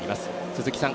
鈴木さん